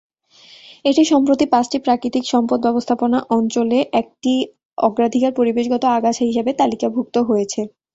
এটি সম্প্রতি পাঁচটি প্রাকৃতিক সম্পদ ব্যবস্থাপনা অঞ্চলে একটি অগ্রাধিকার পরিবেশগত আগাছা হিসাবে তালিকাভুক্ত হয়েছে।